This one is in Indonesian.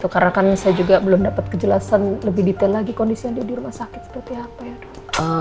karena kan saya juga belum dapat kejelasan lebih detail lagi kondisi andin di rumah sakit seperti apa ya bu